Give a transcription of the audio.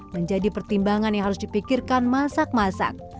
menjadi pertimbangan yang harus dipikirkan masak masak